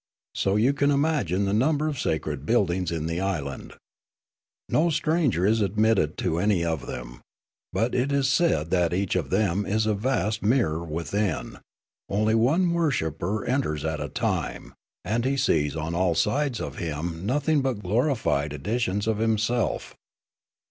So you can imagine the number of sacred buildings in the island. No stranger is admitted to any of them ; but it is said that each of them is a vast mirror within ; only one worshipper en ters at a time; and he sees on all sides of him nothing but glorified editions of himself.